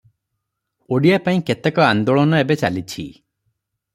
ଓଡ଼ିଆ ପାଇଁ କେତେକ ଆନ୍ଦୋଳନ ଏବେ ଚାଲିଛି ।